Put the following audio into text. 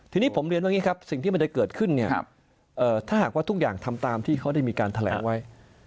ทีนี้ผมเรียนว่าสิ่งที่มันจะเกิดขึ้นถ้าหากว่าทุกอย่างทำตามที่เขาได้มีการแถลงไว้